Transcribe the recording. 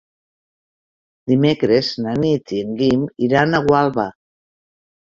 Dimecres na Nit i en Guim iran a Gualba.